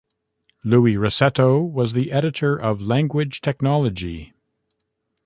Louis Rossetto was the editor of Language Technology.